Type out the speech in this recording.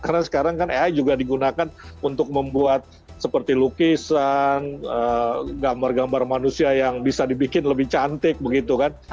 karena sekarang kan ai juga digunakan untuk membuat seperti lukisan gambar gambar manusia yang bisa dibikin lebih cantik begitu kan